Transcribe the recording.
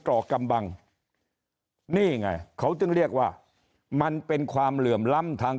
กรอกกำบังนี่ไงเขาจึงเรียกว่ามันเป็นความเหลื่อมล้ำทาง